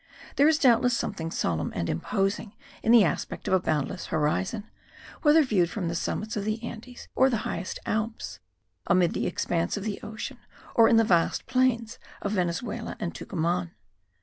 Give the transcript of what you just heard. There is doubtless something solemn and imposing in the aspect of a boundless horizon, whether viewed from the summits of the Andes or the highest Alps, amid the expanse of the ocean or in the vast plains of Venezuela and Tucuman.